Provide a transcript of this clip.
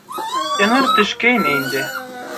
Эңер төшкәйне инде.